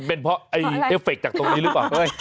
เป็นเพราะเอฟเฟกต์จากตรงนี้หรือเปล่า